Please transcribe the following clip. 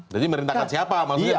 jadi merintahkan siapa